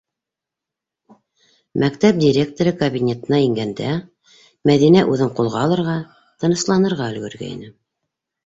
Мәктәп директоры кабинетына ингәндә Мәҙинә үҙен ҡулға алырға, тынысланырға өлгөргәйне.